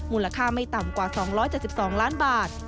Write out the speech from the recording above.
มูลค่าไม่ต่ำกว่า๒๗๒ล้านบาท